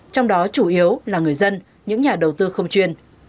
trong đó chủ yếu là người dân những nhà đầu tư không chuyên